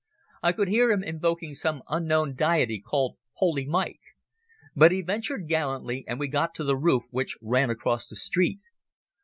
I could hear him invoking some unknown deity called Holy Mike. But he ventured gallantly, and we got to the roof which ran across the street.